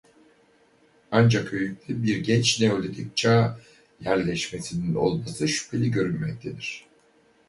Ancak höyükte bir Geç Neolitik Çağ yerleşmesinin olması şüpheli görünmektedir.